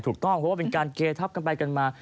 ถูกต้องเพราะว่าเป็นการเกทับกันไปกันมา